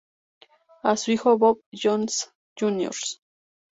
A su hijo, Bob Jones Jr.